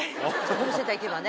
ホームセンター行けばね。